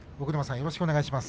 よろしくお願いします。